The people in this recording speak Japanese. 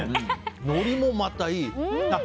のりもまた、いい。